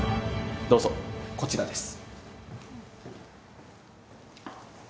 どうぞこちらです。